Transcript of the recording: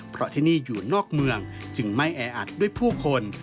เพราะที่นี่อยู่นอกเมืองจึงไม่แออัดด้วยผู้คน